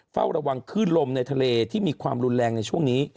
เฝ้าระวังขึ้นลมในทะเลที่มีความรุนแรงในช่วงนี้